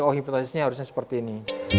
oh hipotesisnya harusnya seperti ini